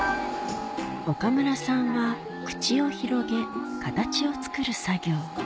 岡村さんは口を広げ形を作る作業